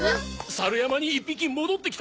猿山に１匹戻ってきたぞ。